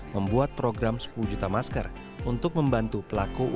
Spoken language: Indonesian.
membuat program sepuluh juta masker untuk membantu pelaku usaha